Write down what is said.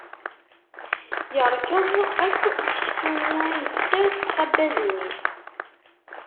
Yerkeḍ akk seksu-nni i nefser s txabbazin-is.